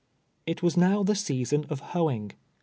It was now the season of hoeing.